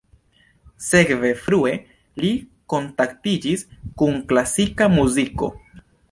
Sekve frue li kontaktiĝis kun klasika muziko.